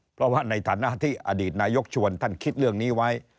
เพราะว่าในฐานะที่อดีตนายกชวนท่านคิดเรื่องนี้ไว้